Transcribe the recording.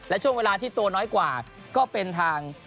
และช่วงเวลาที่ตัวน้อยกว่าก็เป็นทาง